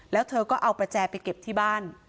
แล้วเธอก็เอาประแจไปเก็บที่บ้าน